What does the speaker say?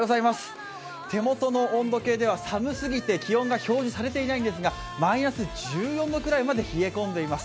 手元の温度計では寒すぎて、気温が表示されていないんですがマイナス１４度ぐらいまで冷え込んでいます。